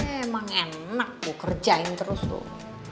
emang enak gue kerjain terus loh